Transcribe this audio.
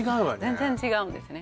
全然違うんですね